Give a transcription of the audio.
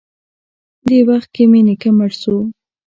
دې وخت کښې مې نيکه مړ سو.